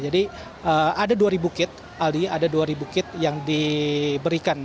jadi ada dua ribu kit aldi ada dua ribu kit yang diberikan